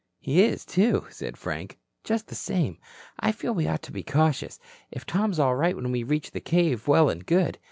"He is, too," said Frank. "Just the same, I feel we ought to be cautious. If Tom's all right when we reach the cave, well and good.